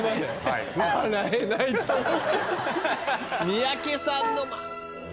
三宅さんの。